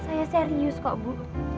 saya serius kok bu